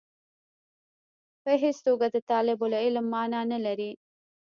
په هېڅ توګه د طالب العلم معنا نه لري.